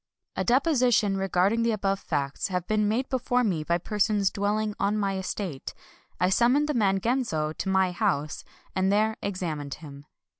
A deposition regarding the above facts hav ing been made before me by persons dwelling on my estate, I summoned the man Genzo to my house, and there examined him.